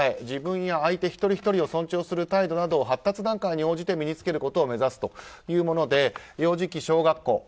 自分や相手一人ひとりを尊重する態度などを発達段階に応じて身に着けることを目指すというもので幼児期、小学校。